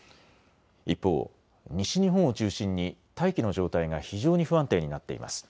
一方、西日本を中心に大気の状態が非常に不安定になっています。